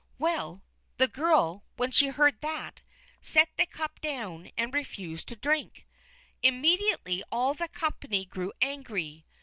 Well, the girl, when she heard that, set the cup down and refused to drink. Immediately all the company grew angry.